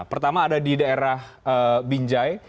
pertama ada di daerah binjai